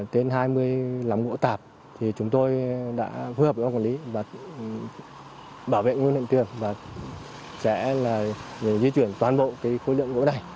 tên hai mươi năm gỗ tạp thì chúng tôi đã phối hợp với quản lý bảo vệ nguyên hiện trường và sẽ di chuyển toàn bộ khối lượng gỗ này